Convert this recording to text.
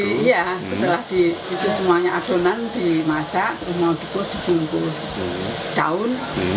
iya setelah itu semuanya adonan dimasak mau dikus dibungkus daun